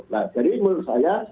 nah jadi menurut saya